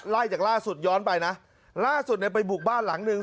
ไล่จากล่าสุดย้อนไปนะล่าสุดเนี่ยไปบุกบ้านหลังหนึ่ง